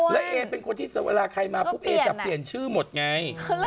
แล้วเอเป็นคนที่เวลาใครมาปุ๊บเอจะเปลี่ยนชื่อหมดไง